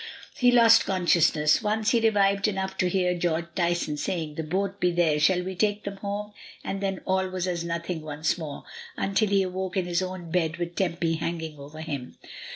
He lost consciousness; once he revived enough to hear George Tyson saying, "The boat be there, shall we take them home?" and then all was as nothing once more, until he awoke in his own bed with Tempy hanging over him.